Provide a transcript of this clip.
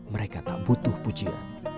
mereka tak butuh pujian